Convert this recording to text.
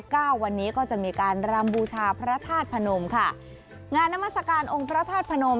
เก้าวันนี้ก็จะมีการรำบูชาพระธาตุพนมค่ะงานนามัศกาลองค์พระธาตุพนม